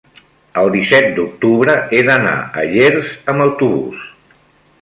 el disset d'octubre he d'anar a Llers amb autobús.